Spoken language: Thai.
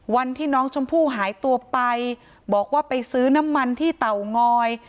วันที่น้องชมพู่หายตัวไปบอกว่าไปซื้อน้ำมันที่เตางอย